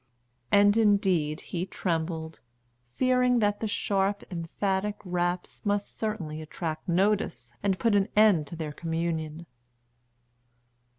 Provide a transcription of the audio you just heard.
And indeed he trembled, fearing that the sharp, emphatic raps must certainly attract notice and put an end to their communion.